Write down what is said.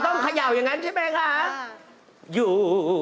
คุณบ้านเดียวกันแค่มองตากันก็เข้าใจอยู่